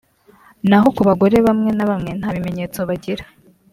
naho ku bagore bamwe na bamwe nta bimenyetso bagira